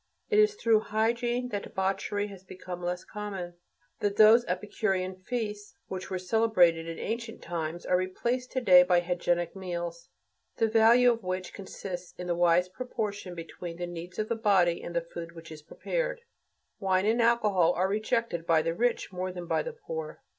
It is through hygiene that debauchery has become less common, that those epicurean feasts which were celebrated in ancient times are replaced to day by hygienic meals, the value of which consists in the wise proportion between the needs of the body and the food which is prepared. Wine and alcohol are rejected by the rich more than by the poor.